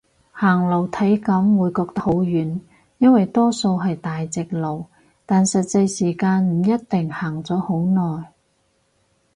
行路體感會覺得好遠，因為多數係大直路，但實際時間唔一定行咗好耐